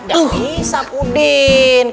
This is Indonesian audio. gak bisa pudin